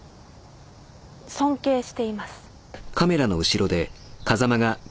尊敬しています。